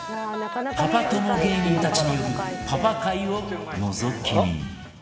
パパ友芸人たちによるパパ会をのぞき見